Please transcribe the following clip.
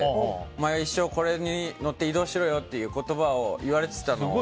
一生これに乗って移動しろよって言葉を言われていたのを。